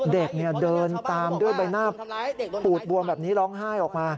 เด็กเดินตามด้วยใบหน้าปูดบวมแบบนี้ร้องไห้ออกมา